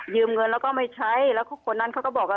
เงินแล้วก็ไม่ใช้แล้วคนนั้นเขาก็บอกว่า